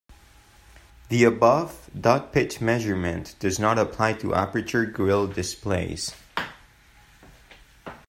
The above dot pitch measurement does not apply to aperture grille displays.